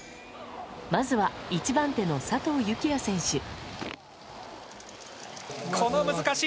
まずは、１番手の佐藤幸椰選手。